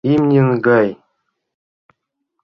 Имньын гай.